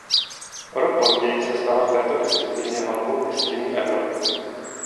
O rok později se stala v této disciplíně halovou mistryní Evropy.